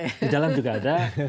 di dalam juga ada